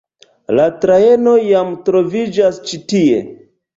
La trajno jam troviĝas ĉi tie.